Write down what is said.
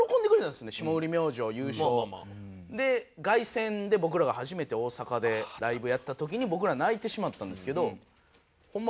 ２人ともですけどで凱旋で僕らが初めて大阪でライブやった時に僕ら泣いてしまったんですけどホンマ